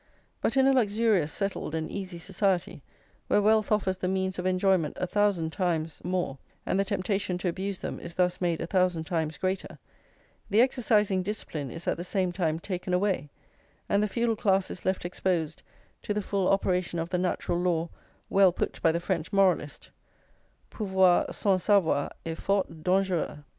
But in a luxurious, settled, and easy society, where wealth offers the means of enjoyment a thousand times more, and the temptation to abuse them is thus made a thousand times greater, the exercising discipline is at the same time taken away, and the feudal class is left exposed to the full operation of the natural law well put by the French moralist: Pouvoir sans savoir est fort dangereux.